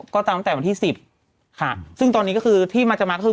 ก็ตามตั้งแต่วันที่สิบค่ะซึ่งตอนนี้ก็คือที่มันจะมาก็คือ